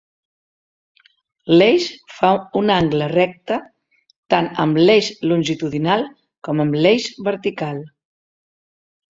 L'eix fa un angle recte tant amb l'eix longitudinal com amb l'eix vertical.